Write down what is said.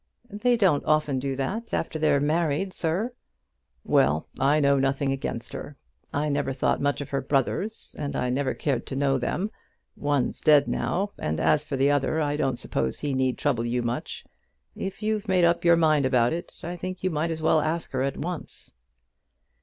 "They don't often do that after they're married, sir." "Well; I know nothing against her. I never thought much of her brothers, and I never cared to know them. One's dead now, and as for the other, I don't suppose he need trouble you much. If you've made up your mind about it, I think you might as well ask her at once."